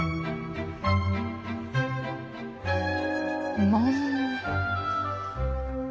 うまい。